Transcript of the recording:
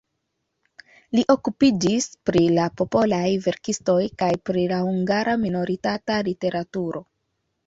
Li okupiĝis pri la popolaj verkistoj kaj pri la hungara minoritata literaturo.